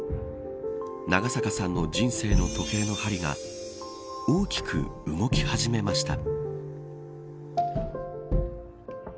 長坂さんの人生の時計の針が大きく動き始めました。